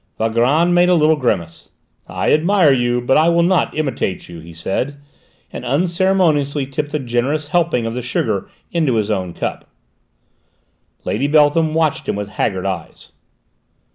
Valgrand made a little grimace. "I admire you, but I will not imitate you," he said, and unceremoniously tipped a generous helping of the sugar into his own cup. Lady Beltham watched him with haggard eyes.